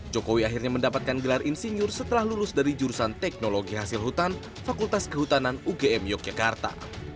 jokowi akhirnya mendapatkan gelar insinyur setelah lulus dari jurusan teknologi hasil hutan fakultas kehutanan ugm yogyakarta